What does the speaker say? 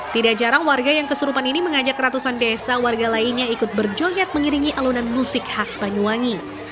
tidak jarang warga yang kesurupan ini mengajak ratusan desa warga lainnya ikut berjoget mengiringi alunan musik khas banyuwangi